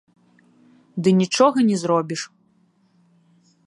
Ды нічога не зробіш.